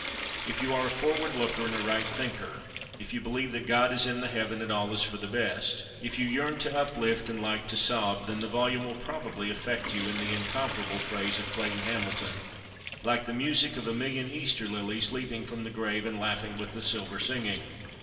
If you are a forward looker and a right thinker, if you believe that God is in His heaven and all is for the best, if you yearn to uplift and like to sob, then the volume will probably affect you, in the incomparable phrase of Clayton Hamilton, like "the music of a million Easter lilies leaping from the grave and laughing with a silver singing."